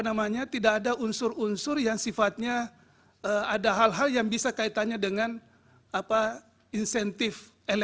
namanya tidak ada unsur unsur yang sifatnya ada hal hal yang bisa kaitannya dengan insentif